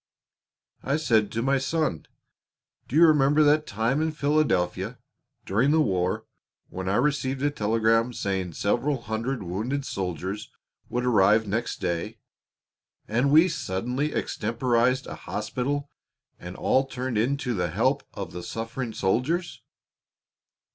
I said to my son, "Do you remember that time in Philadelphia, during the war, when I received a telegram saying several hundred wounded soldiers would arrive next day, and we suddenly extemporised a hospital and all turned in to the help of the suffering soldiers?"